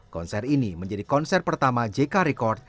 konser ini menjadi konser pertama jk record